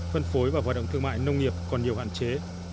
phân phối và hoạt động thương mại nông nghiệp còn nhiều hạn chế